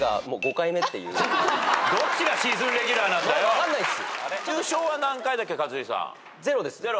分かんないっす。